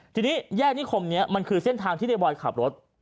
ทีนี้แยกนิคมนี้มันคือเส้นทางที่ในบอยขับรถ